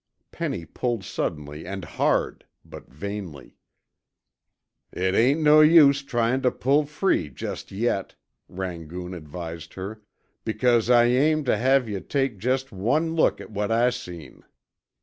Penny pulled suddenly and hard, but vainly. "It ain't no use tryin' tuh pull free jest yet," Rangoon advised her, "because I aim tuh have yuh take jest one look at what I seen.